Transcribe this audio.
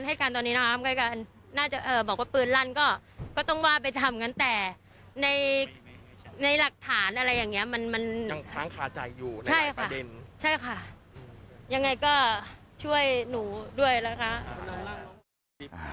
ใช่ค่ะใช่ค่ะยังไงก็ช่วยหนูด้วยละคะ